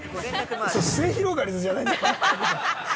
すゑひろがりずじゃないんだから。